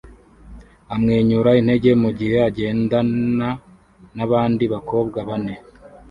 amwenyura intege mugihe agendana nabandi bakobwa bane